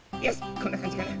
こんなかんじかな？